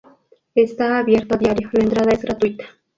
Está abierto a diario, la entrada es gratuita.